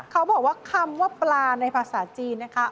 เขาบอกว่าคำว่าปลาในภาษาจีนนะคะ